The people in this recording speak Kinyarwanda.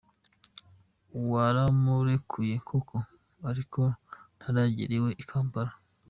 Waramurekuye koko, ariko ntaragera iwe i Kampala.